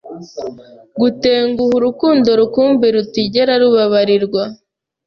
Gutenguha urukundo, rukumbi rutigera rubabarirwa